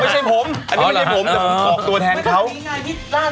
ไม่ใช่ผมแต่ผมขอบตัวแทนเขาอ๋อเหรอไม่ใช่แล้ว